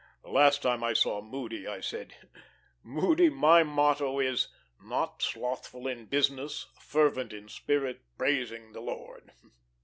The last time I saw Moody I said, 'Moody, my motto is "not slothful in business, fervent in spirit, praising the Lord."'